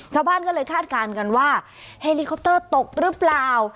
ชาวบ้านก็เลยคาดการณ์กันว่าเฮลิคอปเตอร์ตกหรือเปล่า